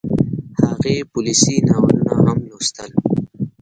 هغې پوليسي ناولونه هم لوستل